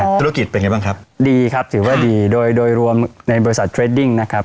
ธุรกิจเป็นไงบ้างครับดีครับถือว่าดีโดยโดยรวมในบริษัทเทรดดิ้งนะครับ